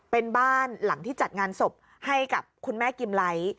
เป็นบ้านหลังที่จัดงานศพให้กับคุณแม่กิมไลท์